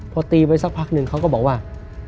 พอตีไปสักพักหนึ่งเขาก็บอกว่า